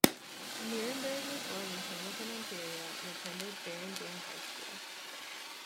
Nirenberg was born in Hamilton, Ontario, and attended Baron Byng High School.